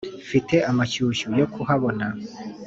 mfite amashyushyu yo kuhabona.